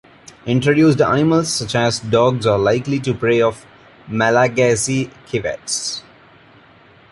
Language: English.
Introduced animals such as dogs are likely to prey of Malagasy civets.